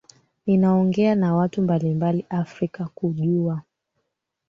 ninaongea na watu mbalimbali afrika kujua